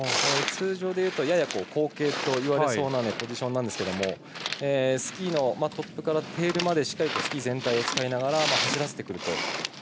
通常でいうとやや後傾といわれそうなポジションなんですけどスキーのトップからテールまでしっかりとスキー全体を使いながら走らせてくると。